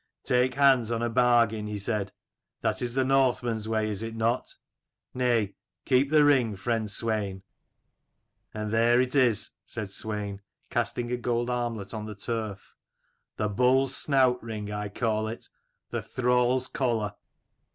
"'Take hands on a bargain,' he said: 'that is the Northman's way, is it not? Nay, keep the ring, friend Swein.' "And there it is," said Swein: casting a gold armlet on the turf. " The bull's snout ring, I call it : the thrall's collar."